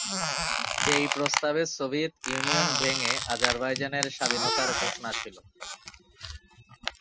যেই প্রস্তাবে Soviet Union ভেঙ্গে আজারবাইজানের স্বাধীনতার ঘোষণা ছিল।